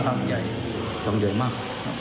หลังใหญ่หลังใหญ่มาก